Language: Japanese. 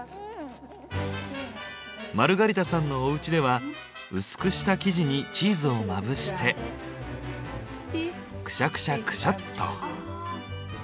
マルガリタさんのおうちでは薄くした生地にチーズをまぶしてクシャクシャクシャっと。